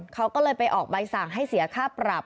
เขาก็เลยไปออกใบสั่งให้เสียค่าปรับ